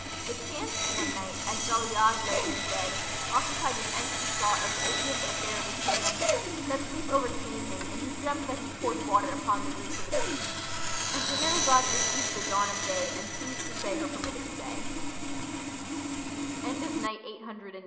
It chanced, one night, as Jali'ad[FN#59] lay in his bed, occupied with anxious thought of the issue of the affair of his Kingdom, that sleep overcame him and he dreamt that he poured water upon the roots of a tree,—And Shahrazad perceived the dawn of day and ceased to say her permitted say.